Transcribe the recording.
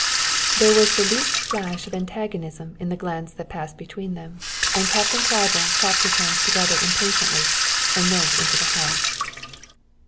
There was the least flash of antagonism in the glance that passed between them, and Captain Claiborne clapped his hands together impatiently and went into the house.